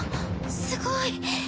すごい。